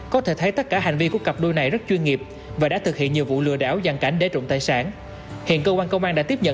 có thể thấy tất cả hành vi của cặp đôi này rất chuyên nghiệp